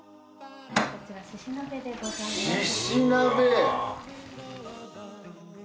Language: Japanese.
こちらしし鍋でございます。